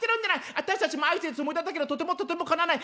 あたしたちも愛してるつもりだったけどとてもとてもかなわない。